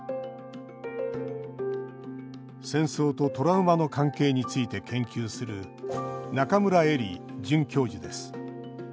戦争とトラウマの関係について研究する中村江里准教授です